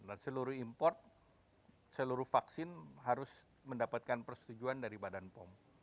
dan seluruh import seluruh vaksin harus mendapatkan persetujuan dari badan pom